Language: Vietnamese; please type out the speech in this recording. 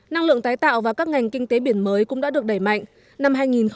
năng lượng tái tạo và các ngành kinh tế biển mới cũng đã được đẩy mạnh